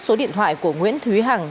số điện thoại của nguyễn thúy hằng